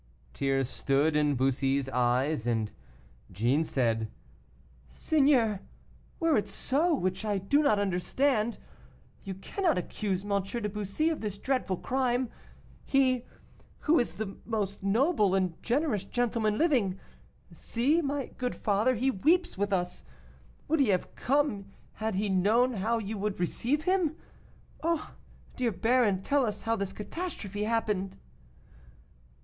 Tears stood in Bussy's eyes, and Jeanne said: "Seigneur, were it so, which I do not understand, you cannot accuse M. de Bussy of this dreadful crime he, who is the most noble and generous gentleman living. See, my good father, he weeps with us. Would he have come had he known how you would receive him? Ah, dear baron, tell us how this catastrophe happened."